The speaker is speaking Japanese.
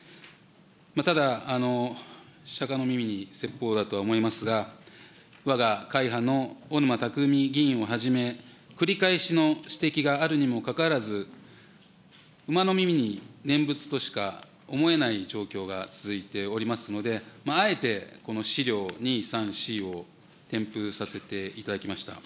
ただ、釈迦の耳に説法だとは思いますが、わが会派のおぬまたくみ議員をはじめ繰り返しの指摘があるにもかかわらず、馬の耳に念仏としか思えない状況が続いておりますので、あえてこの資料２、３、４を添付させていただきました。